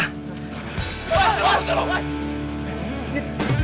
cabut di sini